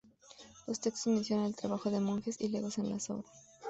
Los textos mencionan el trabajo de monjes y legos en las obras.